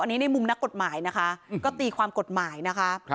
อันนี้ในมุมนักกฎหมายนะคะก็ตีความกฎหมายนะคะ